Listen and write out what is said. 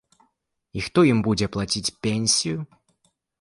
І хто ім будзе плаціць пенсію?